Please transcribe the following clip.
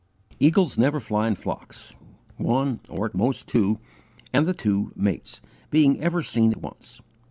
Eagles never fly in flocks: one, or at most two, and the two, mates, being ever seen at once.